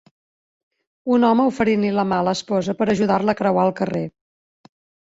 Un home oferint-li la mà a l'esposa per ajudar-la a creuar el carrer